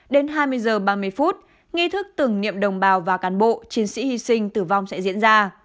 đến hai mươi h ba mươi phút nghi thức tưởng niệm đồng bào và cán bộ chiến sĩ hy sinh tử vong sẽ diễn ra